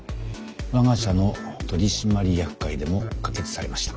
我が社の取締役会でも可決されました。